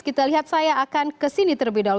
kita lihat saya akan kesini terlebih dahulu